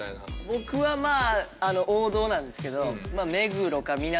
僕はまあ王道なんですけど。